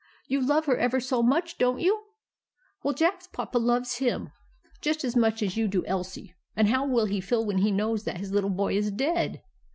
You love her ever so much, don't you ? Well, Jacks papa loves him just as much as you do Elsie ; and how will he feel when he knows that his little boy is dead